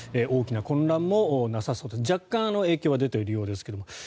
大きな混乱もなさそうで若干、影響は出ているようですが。